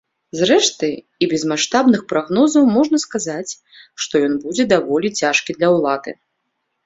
Зрэшты, і без маштабных прагнозаў можна сказаць, што ён будзе даволі цяжкі для ўлады.